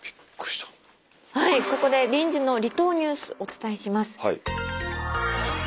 はいここで臨時の離島ニュースお伝えします。